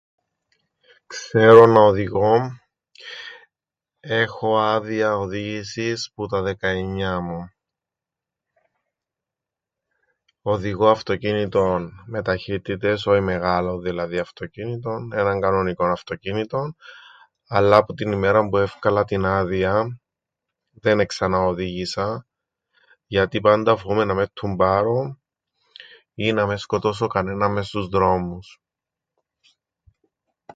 Ξέρω να οδηγώ, έχω άδειαν οδήγησης που τα δεκαεννιά μου. Οδηγώ αυτοκίνητον με ταχύτητες -όι μεγάλον δηλαδή αυτοκίνητον, έναν κανονικόν αυτοκίνητον-, αλλά που την ημέραν που έφκαλα την άδειαν, δεν εξαναοδήγησα, γιατί πάντα φοούμαι να μεν ττουμπάρω ή να μεν σκοτώσω κανέναν μες στους δρόμους.